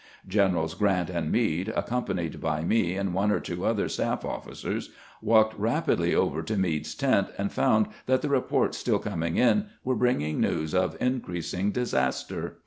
Generals Grant and Meade, accompanied by me and one or two other staff officers, walked rapidly over to Meade's tent, and found that the reports still coming in were bringing news of increasing disaster.